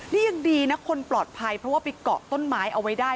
นี่ยังดีนะคนปลอดภัยเพราะว่าไปเกาะต้นไม้เอาไว้ได้